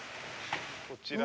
こちらが。